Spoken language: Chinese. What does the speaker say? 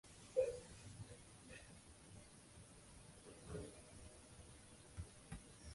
叶基渐狭。